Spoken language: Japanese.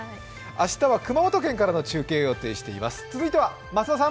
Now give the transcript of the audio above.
明日は熊本県からの中継を予定しています。